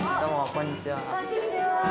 こんにちは。